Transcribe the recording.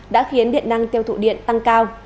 đã khiến điện năng tiêu thụ điện tăng cao